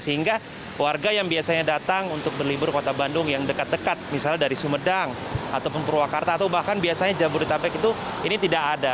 sehingga warga yang biasanya datang untuk berlibur ke kota bandung yang dekat dekat misalnya dari sumedang ataupun purwakarta atau bahkan biasanya jabodetabek itu ini tidak ada